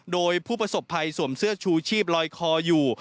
โดยผู้ประสบภัยสวมเสื้อชูชีพลอยคออยู่